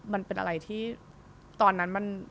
มันเป็นอะไรที่ตอนนั้นมัน